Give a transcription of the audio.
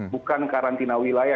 bukan karantina wilayah